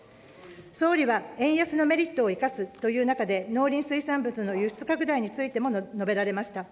総理は、円安のメリットを生かすという中で、農林水産物の輸出拡大についても述べられました。